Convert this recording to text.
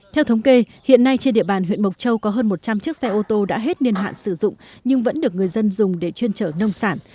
theo thống kê hiện nay trên địa bàn huyện mộc châu có hơn một trăm linh chiếc xe ô tô đã hết niên hạn sử dụng nhưng vẫn được người dân dùng để chuyên trở nông sản